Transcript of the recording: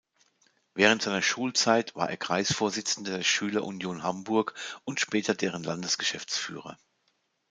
Während seiner Schulzeit war er Kreisvorsitzender der Schüler Union Hamburg und später deren Landesgeschäftsführer.